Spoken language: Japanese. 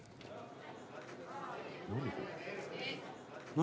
「何？